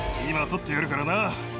今取ってやるからな。